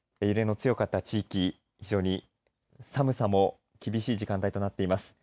揺れの強かった地域、非常に寒さも厳しい時間帯となっています。